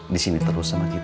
disini terus sama kita